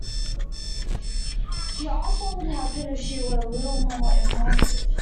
She asks what would happen if she were a "little" more impulsive.